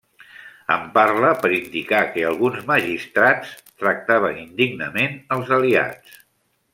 En parla per indicar que alguns magistrats tractaven indignament als aliats.